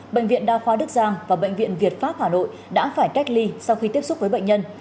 bệnh viện đa khoa đức giang và bệnh viện việt pháp hà nội đã phải cách ly sau khi tiếp xúc với bệnh nhân